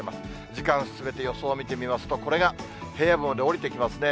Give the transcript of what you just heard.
時間進めて予想を見てみますと、これが平野部まで下りてきますね。